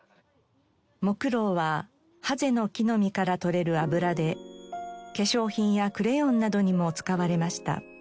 木ろうははぜの木の実から採れる油で化粧品やクレヨンなどにも使われました。